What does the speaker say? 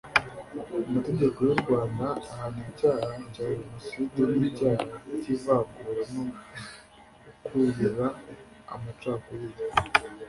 amategeko y'u rwanda ahana icyaha cya jenoside n'icyaha cy'ivangura no gukurura amacakubiri